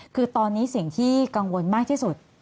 คือตอนนี้สิ่งที่กังวลมากที่สุด